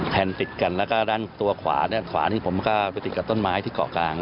ติดกันแล้วก็ด้านตัวขวาด้านขวานี่ผมก็ไปติดกับต้นไม้ที่เกาะกลาง